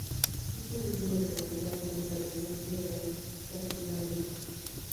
Tito Livio lo relaciona con el establecimiento de las Saturnalia.